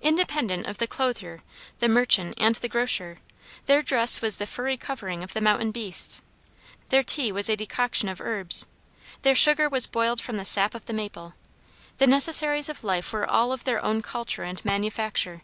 Independent of the clothier, the merchant, and the grocer, their dress was the furry covering of the mountain beasts; their tea was a decoction of herbs; their sugar was boiled from the sap of the maple; the necessaries of life were all of their own culture and manufacture.